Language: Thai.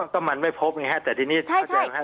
ก็มันไม่พบไงฮะแต่ทีนี้ใช่